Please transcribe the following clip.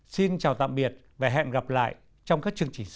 xin chào tạm biệt và hẹn gặp lại trong các chương trình sau